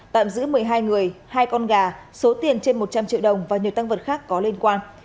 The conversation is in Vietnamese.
tạm giữ một mươi hai người hai con gà số tiền trên một trăm linh triệu đồng và nhiều tăng vật khác có liên quan